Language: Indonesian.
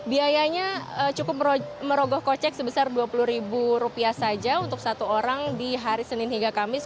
biayanya cukup merogoh kocek sebesar dua puluh ribu rupiah saja untuk satu orang di hari senin hingga kamis